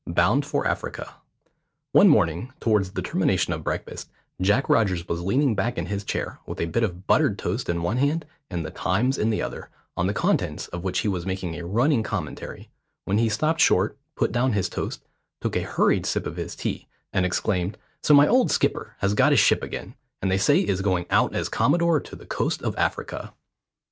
BOUND FOR AFRICA. One morning, towards the termination of breakfast, Jack Rogers was leaning back in his chair, with a bit of buttered toast in one hand and the Times in the other, on the contents of which he was making a running commentary, when he stopped short, put down his toast, took a hurried sip of his tea, and exclaimed, "So my old skipper has got a ship again, and they say is going out as commodore to the coast of Africa."